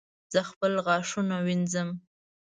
زه خپل غاښونه وینځم